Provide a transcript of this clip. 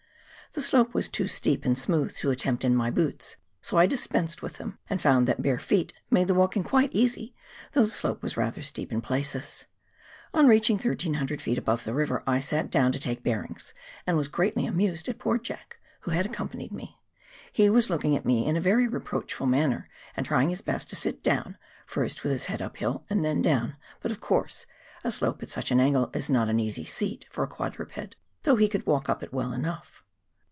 The slope was too steep and smooth to attempt in my boots, so I dispensed with them and found that bare feet made the walking quite easy, though the slope was rather steep in places. On reaching 1,300 ft. above the river I sat down to take bearings, and was greatly amused at poor " Jack," who had accompanied me ; he was looking at me in a very reproachful manner, and trying his best to sit down, first with his head up hill and then down, but of course a slope at such an angle is not an easy seat for a quadruped, though he could walk up it well enough.